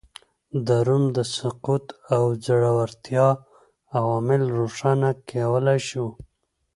د روم د سقوط او ځوړتیا عوامل روښانه کولای شو